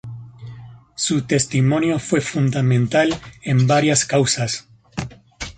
Su testimonio fue fundamental en varias causas.